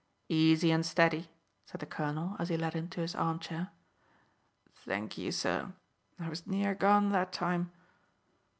"Easy and steady," said the colonel, as he led him to his armchair. "Thank ye, sir; I was near gone that time.